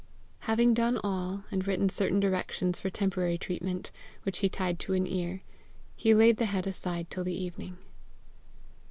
Haying done all, and written certain directions for temporary treatment, which he tied to an ear, he laid the head aside till the evening.